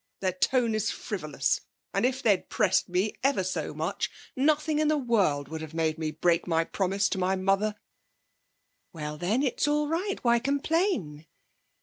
Their tone is frivolous. And if they'd pressed me ever so much, nothing in the world would have made me break my promise to my mother.' 'Well, then, it's all right. Why complain?'